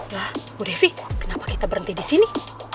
nah bu devi kenapa kita berhenti di sini